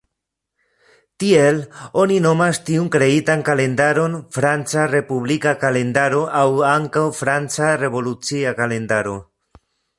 Tiel, oni nomas tiun kreitan kalendaron Franca respublika kalendaro aŭ ankaŭ Franca revolucia kalendaro.